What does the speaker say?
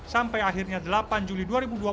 sampai akhirnya delapan juli dua ribu dua puluh